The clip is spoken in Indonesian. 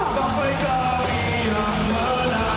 sampai kami yang menang